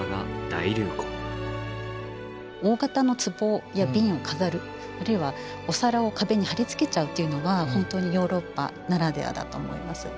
大型のつぼや瓶を飾るあるいはお皿を壁に張り付けちゃうというのは本当にヨーロッパならではだと思います。